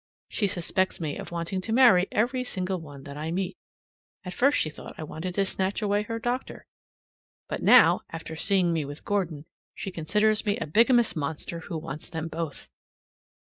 She suspects me of wanting to marry every single one that I meet. At first she thought I wanted to snatch away her doctor; but now, after seeing me with Gordon, she considers me a bigamous monster who wants them both.